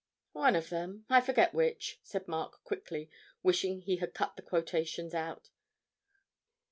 'One of them, I forget which,' said Mark quickly, wishing he had cut the quotations out.